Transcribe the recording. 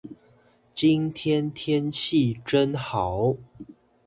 今天天氣真好